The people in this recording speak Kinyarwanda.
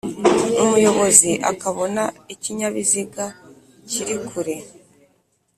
Umuyobozi akabona ikinyabiziga kiri kure